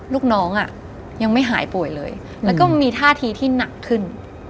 ลูกน้องอ่ะยังไม่หายป่วยเลยแล้วก็มีท่าทีที่หนักขึ้น